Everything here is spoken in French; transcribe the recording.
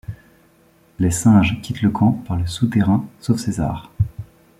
Les singes quittent le camp par le souterrain sauf César.